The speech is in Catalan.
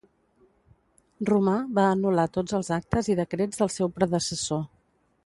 Romà va anul·lar tots els actes i decrets del seu predecessor.